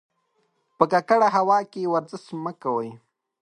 په ککړه هوا کې ورزش مه کوئ.